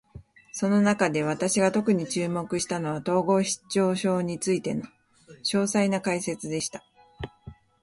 その中で、私が特に注目したのは、統合失調症についての詳細な解説でした。